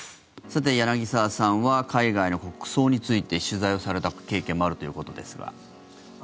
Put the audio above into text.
さて、柳澤さんは海外の国葬について取材をされた経験もあるということですが。